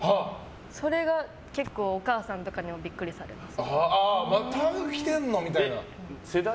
それが結構お母さんとかにビックリされます。